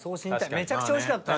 めちゃくちゃ美味しかったね。